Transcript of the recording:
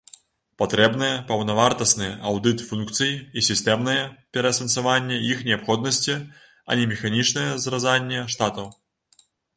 Патрэбныя паўнавартасны аўдыт функцый і сістэмнае пераасэнсаванне іх неабходнасці, а не механічнае зразанне штатаў.